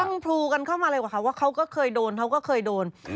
พรั่งพูกันเข้ามาเลยว่าเขาก็เคยโดน